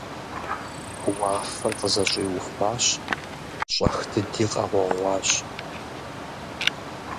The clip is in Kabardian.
Уафэр къызэщӏиуфащ, щӏэх дыди къэгъуэгъуащ.